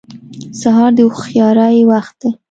سهار د هوښیارۍ وخت دی.